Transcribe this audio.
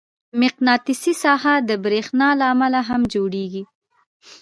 مقناطیسي ساحه د برېښنا له امله هم جوړېږي.